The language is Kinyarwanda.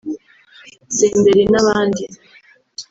Senderi n’abandi